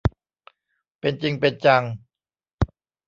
เป็นจริงเป็นจัง